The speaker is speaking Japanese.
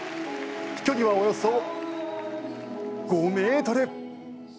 飛距離はおよそ５ｍ。